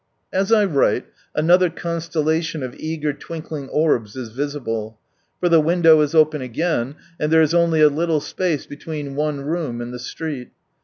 As I write, another constellation of eager twinkling orbs is visible ; for the window is open again, and (here is only a little space between one room and the street.